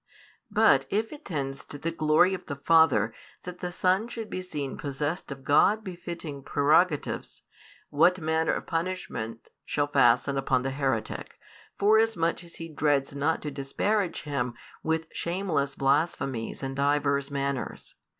But if it tends to the glory of the Father that the Son should be seen possessed of God befitting prerogatives, what manner of punishment shall fasten upon the heretic, forasmuch as he dreads not to disparage Him with shameless blasphemies in divers manners?